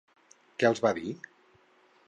Què els va dir?